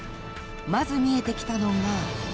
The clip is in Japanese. ［まず見えてきたのが］